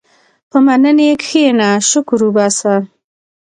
په مننې کښېنه، شکر وباسه.